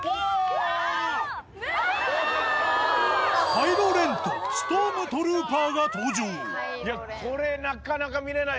カイロ・レンとストームトルーパーが登場いやこれ。